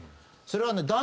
それはね。